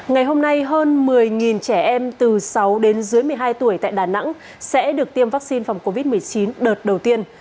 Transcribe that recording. ngày hôm nay hơn một mươi trẻ em từ sáu đến dưới một mươi hai tuổi tại đà nẵng sẽ được tiêm vaccine phòng covid một mươi chín đợt đầu tiên